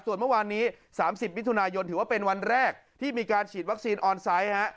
ส่วนเมื่อวานนี้๓๐มิถุนายนถือว่าเป็นวันแรกที่มีการฉีดวัคซีนออนไซต์